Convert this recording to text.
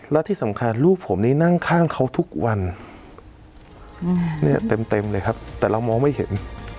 และที่สำคัญลูกผมนี่นั่งข้างเขาทุกวันเนี่ยเต็มเลยครับแต่เรามองไม่เห็น